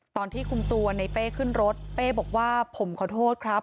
ตอนที่คุมตัวในเป้ขึ้นรถเป้บอกว่าผมขอโทษครับ